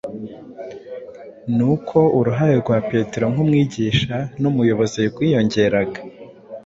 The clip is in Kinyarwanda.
ni ko uruhare rwa petero nk’umwigisha n’umuyobozi rwiyongeraga;